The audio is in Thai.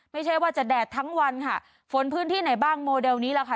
ไม่ใช่ว่าจะแดดทั้งวันค่ะฝนพื้นที่ไหนบ้างโมเดลนี้แหละค่ะ